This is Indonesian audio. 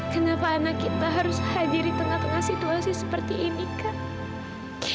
kenapa anak kita harus hadiri tengah tengah situasi seperti ini kak